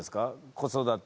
子育て。